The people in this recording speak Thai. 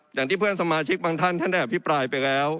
อย่างที่เพื่อนสมาชิกบางท่านท่านได้อภิปรายไปแล้ว